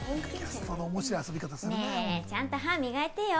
ねぇ、ちゃんと歯磨いてよ？